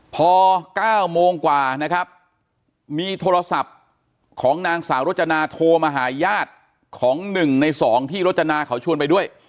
พอ๙โมงกว่านะครับมีโทรศัพท์ของนางสาวรจนาโทรมาหาญาติของ๑ใน๒ที่รจนาเขาชวนไปด้วย